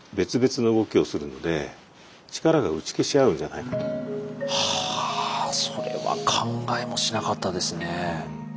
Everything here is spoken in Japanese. そうするとはぁそれは考えもしなかったですね。